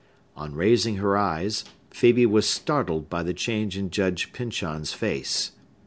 On raising her eyes, Phœbe was startled by the change in Judge Pyncheon's face.